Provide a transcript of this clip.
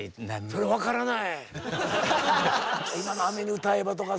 訳が分からない？